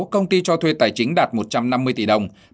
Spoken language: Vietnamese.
công ty cho thuê tài chính đạt một trăm năm mươi tỷ đồng